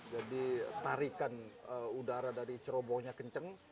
jadi tarikan udara dari cerobohnya kencang